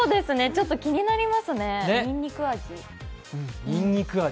ちょっと気になりますね、にんにく味。